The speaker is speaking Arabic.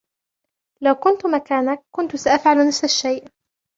لو كنتُ مكانك, كنتُ سأفعل نفس الشئ ؟